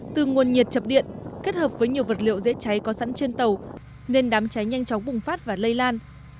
từ nguồn nhiệt chập điện kết hợp với nhiều vật liệu dễ cháy có sẵn trên tàu nên đám cháy nhanh chóng bùng phát và lây lan